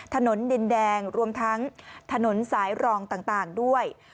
ถนนดินแดงรวมทั้งถนนสายรองต่างด้วย